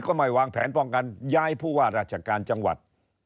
ไม่วางแผนป้องกันย้ายผู้ว่าราชการจังหวัด